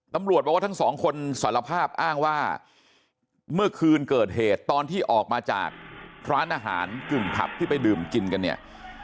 ตำรวจบอกว่าทั้งสองคนสารภาพอ้างว่าเมื่อคืนเกิดเหตุตอนที่ออกมาจากร้านอาหารกึ่งผับที่ไปดื่มกินกันเนี่ย